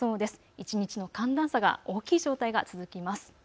一日の寒暖差が大きい状態が続きます。